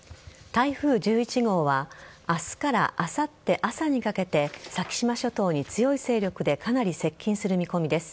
台風１１号は明日からあさって朝にかけて先島諸島に強い勢力でかなり接近する見込みです。